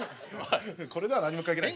これでは何も書けないです。